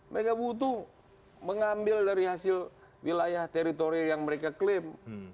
mereka butuh mengambil dari hasil wilayah teritori yang mereka klaim